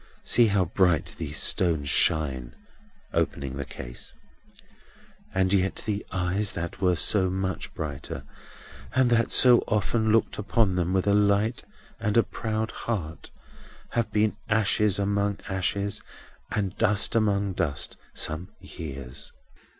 See how bright these stones shine!" opening the case. "And yet the eyes that were so much brighter, and that so often looked upon them with a light and a proud heart, have been ashes among ashes, and dust among dust, some years!